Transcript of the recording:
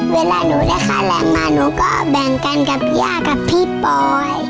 เวลาหนูได้หาหลานมาหนูก็แบ่งกันกับย่ากับพี่ปอย